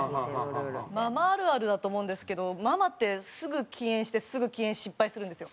ママあるあるだと思うんですけどママってすぐ禁煙してすぐ禁煙失敗するんですよ。